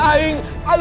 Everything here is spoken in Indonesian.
aying marta sangat keras